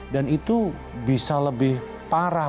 dan itu bisa lebih parah